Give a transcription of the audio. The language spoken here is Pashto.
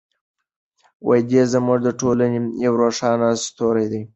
دی زموږ د ټولنې یو روښانه ستوری دی.